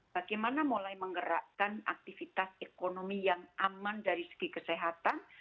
bagaimana mulai menggerakkan aktivitas ekonomi yang aman dari segi kesehatan